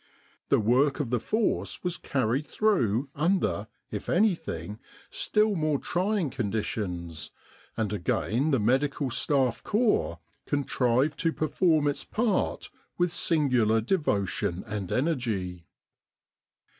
The work of the Force was carried through under, if anything, still more trying conditions, and again the Medical Staff Corps contrived to perform its part with singular devotion and energy.